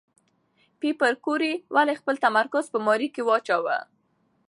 پېیر کوري ولې خپل تمرکز په ماري کې واچاوه؟